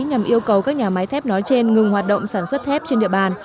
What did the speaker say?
nhằm yêu cầu các nhà máy thép nói trên ngừng hoạt động sản xuất thép trên địa bàn